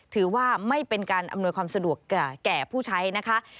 ถือว่าเป็นการอำนวยความสะดวกแก่ผู้ใช้นะคะ